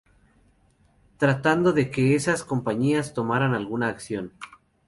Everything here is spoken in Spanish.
tratando de que estas compañías tomaran alguna acción